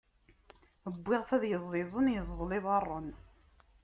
Wwiɣ-t ad iẓẓiẓen, iẓẓel iḍaṛṛen.